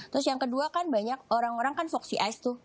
terus yang kedua kan banyak orang orang kan foxi ice tuh